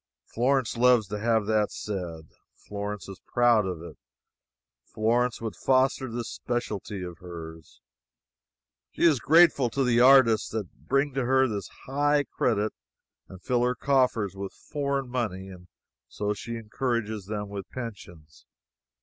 Florence loves to have that said. Florence is proud of it. Florence would foster this specialty of hers. She is grateful to the artists that bring to her this high credit and fill her coffers with foreign money, and so she encourages them with pensions.